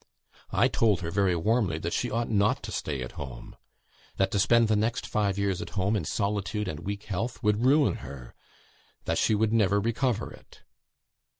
I told her very warmly, that she ought not to stay at home; that to spend the next five years at home, in solitude and weak health, would ruin her; that she would never recover it.